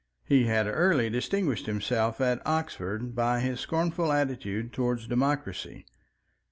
He had early distinguished himself at Oxford by his scornful attitude towards democracy.